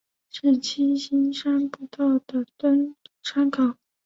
是七星山步道的登山口。